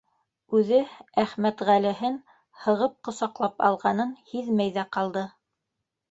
Үҙе Әхмәтғәлеһен һығып ҡосаҡлап алғанын һиҙмәй ҙә ҡалды.